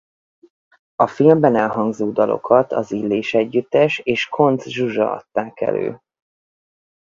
A filmben elhangzó dalokat az Illés-együttes és Koncz Zsuzsa adták elő.